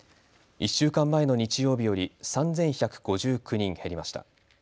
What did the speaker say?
１週間前の日曜日より３１５９人減りました。